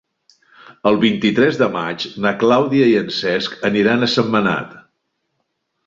El vint-i-tres de maig na Clàudia i en Cesc aniran a Sentmenat.